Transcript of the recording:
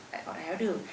lại có đáy áo đường